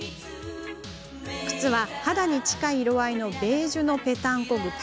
靴は肌に近い色合いのベージュのぺたんこ靴。